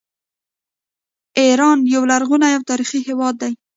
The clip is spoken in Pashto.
ایران یو لرغونی او تاریخي هیواد دی.